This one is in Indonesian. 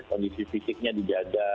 kondisi fisiknya dijaga